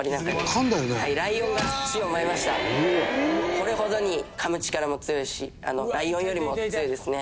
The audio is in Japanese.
「これほどに噛む力も強いしライオンよりも強いですね。